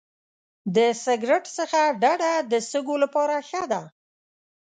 د سګرټ څخه ډډه د سږو لپاره ښه ده.